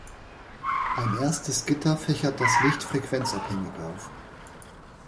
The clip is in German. Ein erstes Gitter fächert das Licht frequenzabhängig auf.